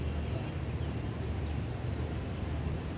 asal sekolah sma negeri tujuh belas